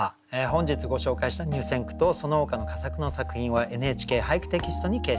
本日ご紹介した入選句とそのほかの佳作の作品は「ＮＨＫ俳句」テキストに掲載されます。